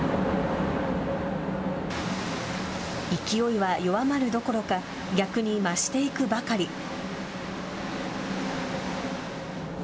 勢いは弱まるどころか逆に増していくばかり。